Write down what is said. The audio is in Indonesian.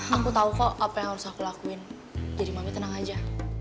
aku tahu kok apa yang harus aku lakuin jadi mami tenang aja